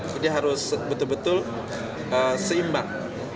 jadi harus betul betul seimbang